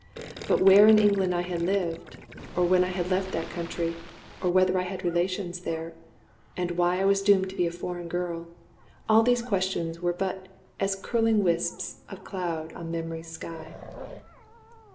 But where in England I had lived, or when I had left that country, or whether I had relations there, and why I was doomed to be a foreign girl all these questions were but as curling wisps of cloud on memory's sky.